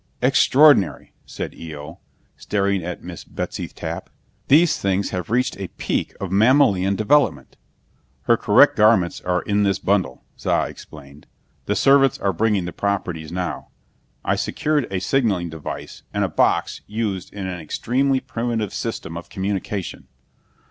"Extraordinary!" said Eo, staring at Miss Betsy Tapp. "These things have reached a peak of mammalian development!" "Her correct garments are in this bundle," Za explained. "The servants are bringing the properties now. I secured a signaling device and a box used in an extremely primitive system of communication.